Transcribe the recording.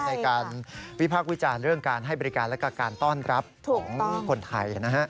ในการวิพากษ์วิจารณ์เรื่องการให้บริการและการต้อนรับของคนไทยนะฮะ